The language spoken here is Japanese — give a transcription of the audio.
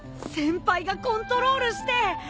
先輩がコントロールして。